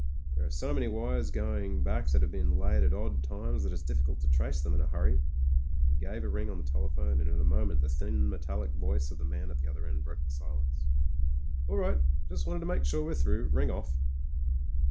"There are so many wires going back that have been laid at odd times, that it's difficult to trace them in a hurry." He gave a ring on the telephone, and in a moment the thin, metallic voice of the man at the other end broke the silence. "All right. Just wanted to make sure we were through. Ring off."